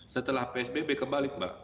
setelah psbb kebalik mbak